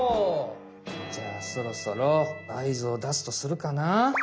じゃあそろそろあいずをだすとするかな。